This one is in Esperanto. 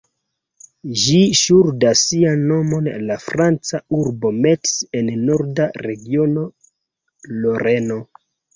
Ĝi ŝuldas sian nomon al la franca urbo Metz en norda regiono Loreno.